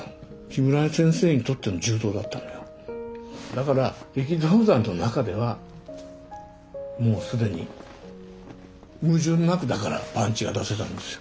だから力道山の中ではもう既に矛盾なくだからパンチが出せたんですよ。